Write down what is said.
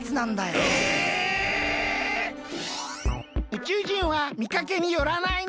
宇宙人はみかけによらないね。